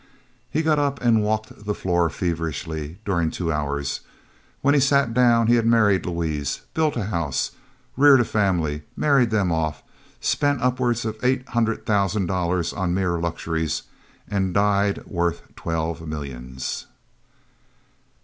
He got up and walked the floor feverishly during two hours; and when he sat down he had married Louise, built a house, reared a family, married them off, spent upwards of eight hundred thousand dollars on mere luxuries, and died worth twelve millions.